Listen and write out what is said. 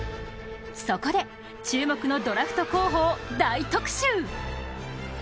そこで注目のドラフト候補を大特集。